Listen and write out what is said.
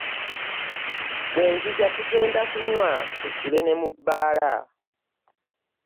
Bwe nzija tugenda kunywa tusule ne mu bbaala.